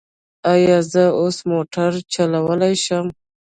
ایا زه اوس موټر چلولی شم؟